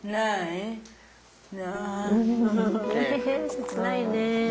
切ないね。